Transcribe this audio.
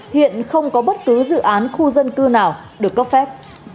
hiện không có bất cứ dự án khu dân cư nào được cấp phép